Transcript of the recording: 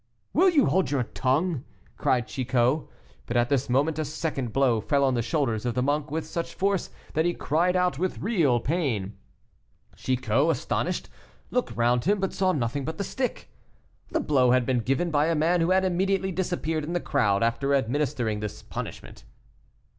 "Will you hold your tongue?" cried Chicot. But at this moment a second blow fell on the shoulders of the monk with such force that he cried out with real pain. Chicot, astonished, looked round him, but saw nothing but the stick. The blow had been given by a man who had immediately disappeared in the crowd after administering this punishment.